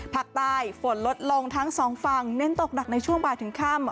ภาคใต้ฝนลดลงทั้งสองฝั่งเน้นตกหนักในช่วงบ่ายถึงค่ำ